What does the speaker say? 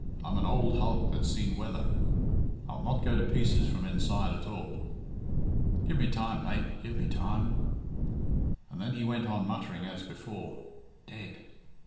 "I'm an ould hulk that's seen weather. I'll not go to pieces from inside at all. Give me time, mate, give me time." And then he went on muttering as before, "Dead!